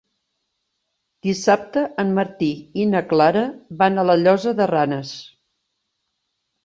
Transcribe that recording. Dissabte en Martí i na Clara van a la Llosa de Ranes.